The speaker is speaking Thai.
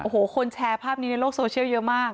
โอ้โหคนแชร์ภาพนี้ในโลกโซเชียลเยอะมาก